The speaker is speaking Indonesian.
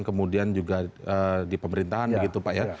kemudian juga di pemerintahan begitu pak ya